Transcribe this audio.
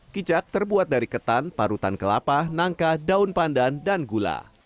kicak terbuat dari ketan parutan kelapa nangka daun pandan dan gula